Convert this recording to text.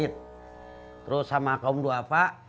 terus sama kaum dua pak